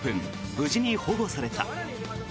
無事に保護された。